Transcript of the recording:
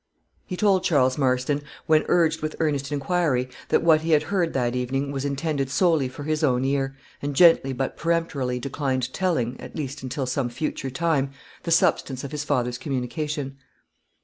He told Charles Marston, when urged with earnest inquiry, that what he had heard that evening was intended solely for his own ear, and gently but peremptorily declined telling, at least until some future time, the substance of his father's communication.